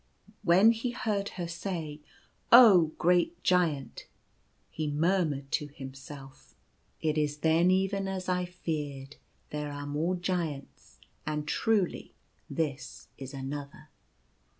When he heard her say, 4C Oh, great Giant!" he murmured to himself, " It is then even as I feared. There are more Giants, and truly this is another.